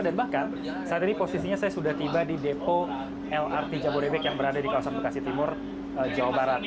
dan bahkan saat ini posisinya saya sudah tiba di depo lrt jabodebek yang berada di kawasan bekasi timur jawa barat